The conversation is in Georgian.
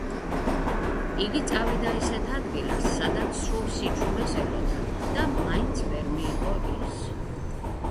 იგი წავიდა ისეთ ადგილას სადაც სრულ სიჩუმეს ელოდა და მაინც ვერ მიიღო ის.